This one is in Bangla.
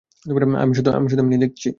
আমি শুধু এমনেই দেখতেছি।